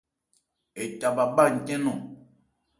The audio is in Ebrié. Hɛ ca bha bhá ncɛ́n nɔ́n ?